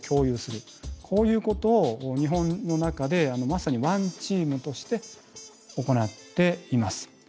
こういうことを日本の中でまさにワンチームとして行っています。